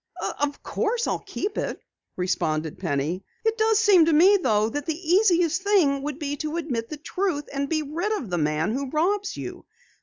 "Of course, I'll keep it," responded Penny. "It does seem to me, though, that the easiest thing would be to admit the truth and be rid of the man who robs you.